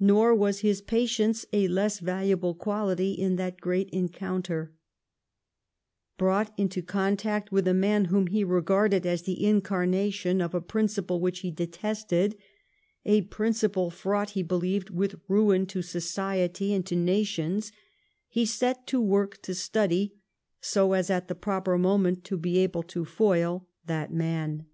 Nor was his patience a less valuable quality in that great encounter, l^rought into contact with a man whom he regarded as the incarnation of a prlnci])lc which he detested — a principle fraught, he believed, with ruin to society and to nations — he set to work to study, so as at the proper moment to be able to foil, that man.